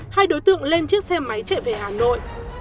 hai đối tượng lên chiếc xe máy chạy về hà nội